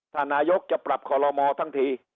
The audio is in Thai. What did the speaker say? ถ้านายกจะปรับคอลโลมอทั้งที